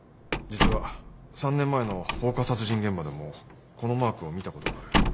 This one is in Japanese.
実は３年前の放火殺人現場でもこのマークを見たことがある。